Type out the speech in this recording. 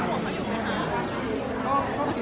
แล้วหัวเค้าอยู่ห้องไหน